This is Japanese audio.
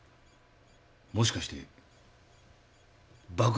もしかして爆発物？